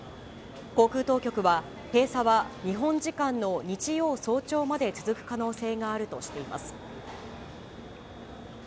航空当局は閉鎖は日本時間の日曜早朝まで続く可能性があるとしています。